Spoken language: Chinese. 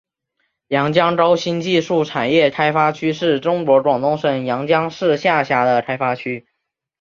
阳江高新技术产业开发区是中国广东省阳江市下辖的开发区。